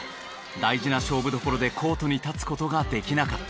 大事な勝負どころでコートに立つ事ができなかった。